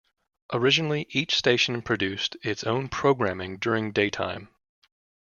Originally each station produced its own programming during daytime.